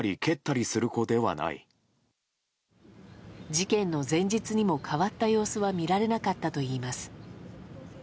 事件の前日にも変わった様子は見られなかったといいます。